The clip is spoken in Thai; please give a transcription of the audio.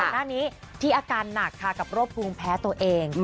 หน้านี้ที่อาการหนักค่ะกับโรคภูมิแพ้ตัวเอง